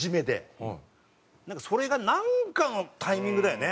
それがなんかのタイミングだよね。